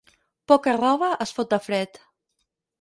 Poca roba es fot de fred.